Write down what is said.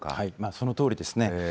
そのとおりですね。